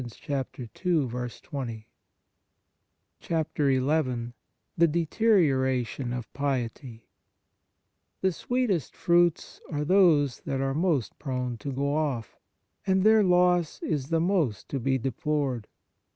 20. 86 The Nature of Piety XI THE DETERIORATION OF PIETY THE sweetest fruits are those that are most prone to go off, and their loss is the most to be deplored.